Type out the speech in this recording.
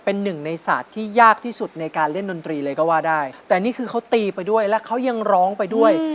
เป็นหนึ่งในศาสตร์ที่ยากที่สุดในการเล่นดนตรีเลยก็ว่าได้แต่นี่คือเขาตีไปด้วยและเขายังร้องไปด้วย